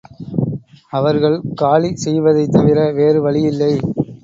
அவர்கள் காலி செய்வதைத்தவிர வேறு வழியில்லை.